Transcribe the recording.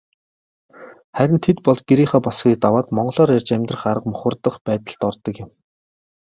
Харин тэд бол гэрийнхээ босгыг даваад монголоор ярьж амьдрах арга мухардах байдалд ордог юм.